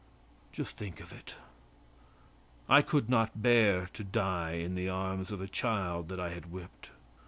Just think of it. I could not bear to die in the arms of a child that I had whipped.